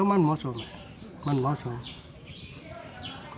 มันเหมาะสมมันเหมาะสม